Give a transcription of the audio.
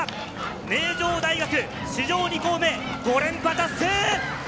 名城大学、史上２校目５連覇達成！